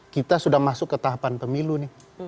kita sudah masuk ke tahapan pemilu nih